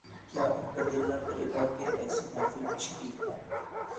کیا ان کا دل نہ کرے گا کہ ایسی محفل میں شریک ہوں۔